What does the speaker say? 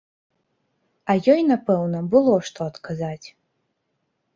А ёй напэўна было што адказаць.